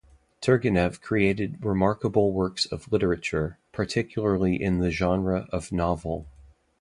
Turgenev created remarkable works of literature, particularly in the genre of the novel.